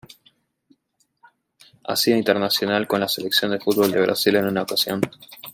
Ha sido internacional con la Selección de fútbol de Brasil en una ocasión.